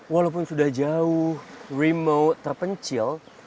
walaupun sudah jauh remote terpencil